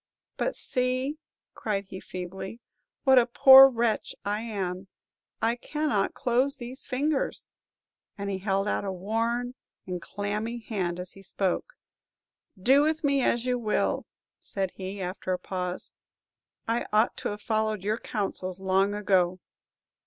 But see," cried he, feebly, "what a poor wretch I am; I cannot close these fingers!" and he held out a worn and clammy hand as he spoke. "Do with me as you will," said he, after a pause; "I ought to have followed your counsels long ago!"